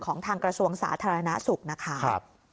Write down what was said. ทางกระทรวงสาธารณสุขนะคะ